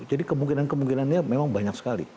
jadi kemungkinan kemungkinannya memang banyak sekali